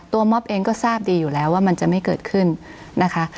มอบเองก็ทราบดีอยู่แล้วว่ามันจะไม่เกิดขึ้นนะคะ